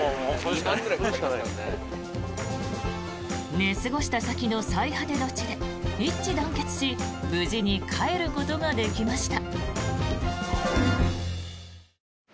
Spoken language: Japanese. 寝過ごした先の最果ての地で一致団結し無事に帰ることができました。